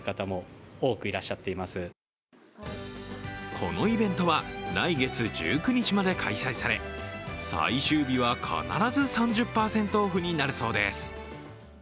このイベントは来月１９日まで開催され最終日は必ず３０％オフになるそうです。